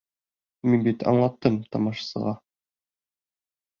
Мин бит аңлаттым тамашасыға.